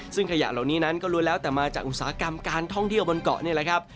ซึ่งขยะเหล่านี้นั้นก็ล้วนแล้วแต่มาจากอุตสาหกรรมการท่องเที่ยวบนเกาะนี่แหละครับ